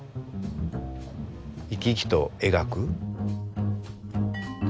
生き生きと描く。